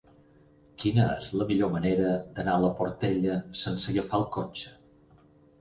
Quina és la millor manera d'anar a la Portella sense agafar el cotxe?